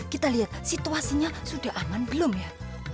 kita lihat situasinya sudah aman belum ya